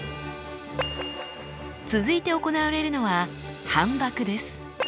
続いて行われるのは反ばくです。